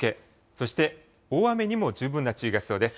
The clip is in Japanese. そして大雨にも十分な注意が必要です。